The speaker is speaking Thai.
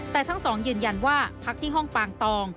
แต่ทั้งสองยืนยันว่าพักที่ห้องปางตอง